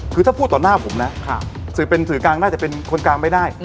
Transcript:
คือถ้าพูดต่อหน้าผมนะสื่อเป็นสื่อกลางน่าจะเป็นคนกลางไม่ได้